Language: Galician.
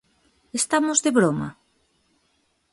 ¿Estamos de broma?